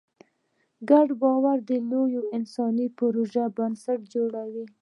ګډ باور د لویو انساني پروژو بنسټ جوړوي.